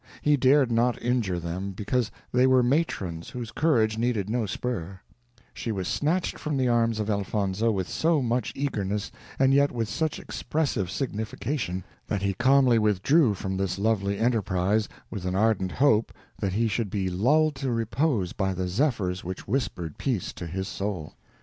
He dared not injure them, because they were matrons whose courage needed no spur; she was snatched from the arms of Elfonzo, with so much eagerness, and yet with such expressive signification, that he calmly withdrew from this lovely enterprise, with an ardent hope that he should be lulled to repose by the zephyrs which whispered peace to his soul.